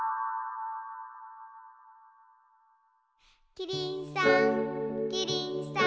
キリンさんキリンさん